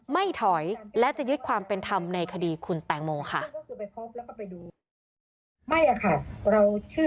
ไม่ถอยและจะยึดความเป็นธรรมในคดีคุณแตงโมค่ะ